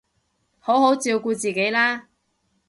好好照顧自己啦